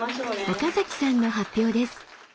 岡崎さんの発表です。